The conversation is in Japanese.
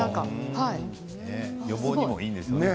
予防にもいいんでしょうね。